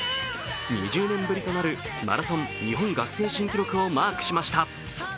２０年ぶりとなるマラソン日本学生新記録をマークしました。